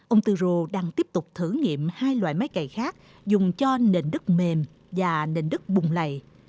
ông tư rô đang tiếp tục thử nghiệm hai loại máy cày khác dùng cho nền đất mềm và nền đất bùng lầy